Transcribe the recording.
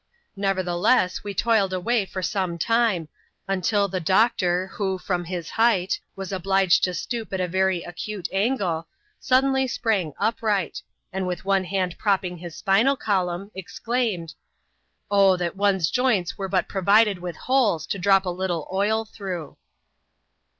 Nevertheless, we toiled away for some time, until the doctor, who, from his height, was obliged to stoop at a very acute angle, suddenly sprang upright ; and, with one hand propping^ his spinal column, exclaimed, '^ Oh, that one's joints were but provided with holes to drop a little oil through